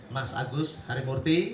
mas agus harimurti